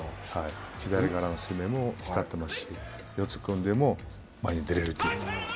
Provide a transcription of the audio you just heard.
左からの攻めも光ってますし四つ組んでも前に出れるという。